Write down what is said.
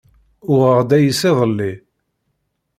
Uɣeɣ-d ayis iḍelli.